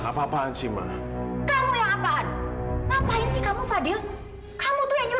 kamu tuh memang tega ya fadil kamu nggak punya hati